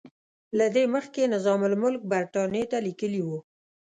له دې مخکې نظام الملک برټانیې ته لیکلي وو.